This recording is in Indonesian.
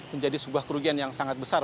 menjadi sebuah kerugian yang sangat besar